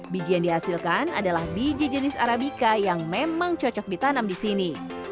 biji yang dihasilkan adalah biji jenis arabica yang memang cocok ditanam di sini